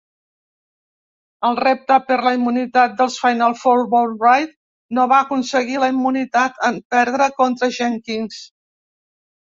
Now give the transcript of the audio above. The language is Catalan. Al repte per la immunitat dels Final Four, Boatwright no va aconseguir la immunitat, en perdre contra Judkins.